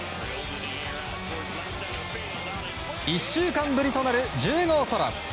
１週間ぶりとなる１０号ソロ。